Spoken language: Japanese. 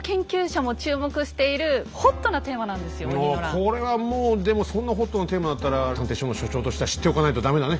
これはもうでもそんなホットなテーマだったら探偵所の所長としては知っておかないと駄目だね。